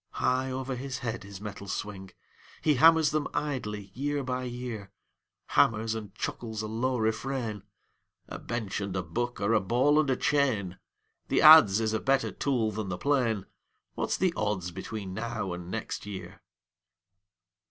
High over his head his metals swing; He hammers them idly year by year, Hammers and chuckles a low refrain: "A bench and a book are a ball and a chain, The adze is a better tool than the plane; What's the odds between now and next year?"